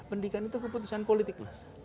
pendidikan itu keputusan politik